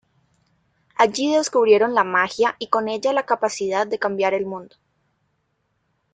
Allí descubrieron la magia, y con ella la capacidad de cambiar el mundo.